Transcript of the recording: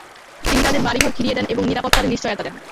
তিনি তাদের বাড়িঘর ফিরিয়ে দেন এবং নিরাপত্তার নিশ্চয়তা দেন।